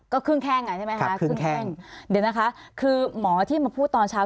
ก็ครึ่งแข้งอ่ะใช่ไหมคะครึ่งแข้งเดี๋ยวนะคะคือหมอที่มาพูดตอนเช้า